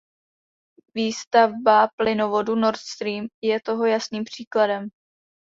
Výstavba plynovodu Nord Stream je toho jasným příkladem.